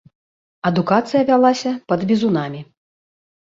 Адукацыя вялася пад бізунамі.